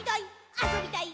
あそびたい！